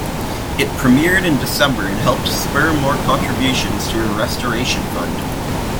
It premiered in December and helped spur more contributions to her restoration fund.